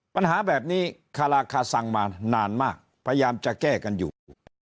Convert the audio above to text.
ปัญหาแบบนี้คาราคาซังมานานมากพยายามจะแก้กันอยู่